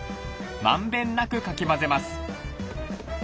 まんべんなくかき混ぜます。